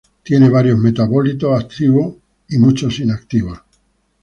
Tiene varios metabolitos activos y muchos inactivos.